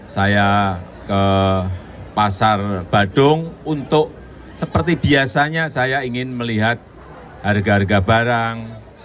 saya ke pasar badung untuk seperti biasanya saya ingin melihat harga harga barang